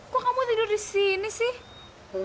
kok kamu tidur di sini sih